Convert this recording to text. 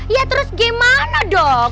ya terus gimana dong